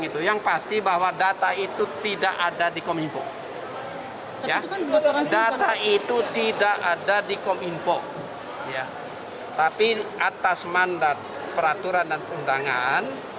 tapi atas mandat peraturan dan undangan